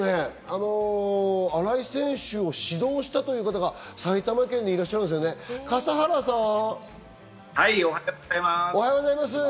新井選手を指導したという方が埼玉県にいらっしゃるんですよね、はい、おはようございます。